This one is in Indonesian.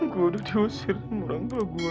gue udah terusir sama orang tua gue